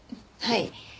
はい。